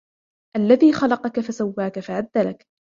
الذي خلقك فسواك فعدلك